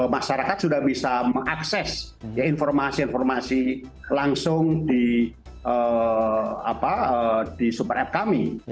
masyarakat sudah bisa mengakses informasi informasi langsung di super app kami